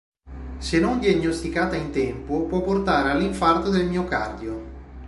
Se non diagnosticata in tempo può portare all'infarto del miocardio.